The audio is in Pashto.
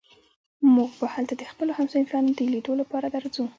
موږ به هلته د خپلو همصنفيانو د ليدو لپاره درځو.